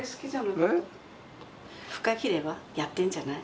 フカヒレはやってんじゃない？